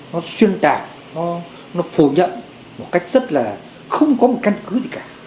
nó xuyên tạc nó phù nhận một cách rất là không có một căn cứ gì cả